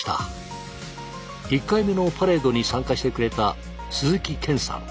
１回目のパレードに参加してくれた鈴木賢さん。